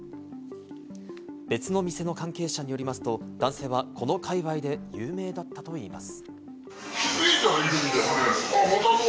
別の店の関係者によりますと、男性はこの界隈で有名だったといいます。